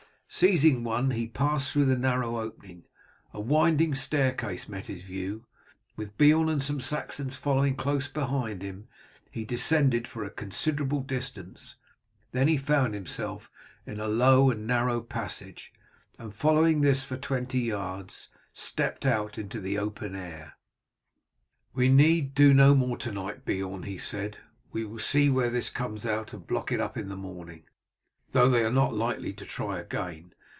Seizing one he passed through the narrow opening. A winding staircase met his view. With Beorn and some Saxons following close behind him, he descended for a considerable distance, then he found himself in a low and narrow passage, and following this for twenty yards stepped out into the open air. "We need do no more to night, Beorn," he said. "We will see where this comes out and block it up in the morning, though they are not likely to try again.